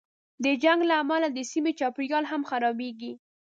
د جنګ له امله د سیمې چاپېریال هم خرابېږي.